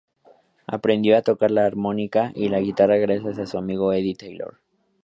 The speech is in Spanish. Aprendió a tocar la armónica y la guitarra gracias a su amigo Eddie Taylor.